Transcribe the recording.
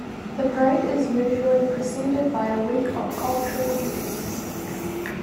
The parade is usually preceded by a week of cultural events.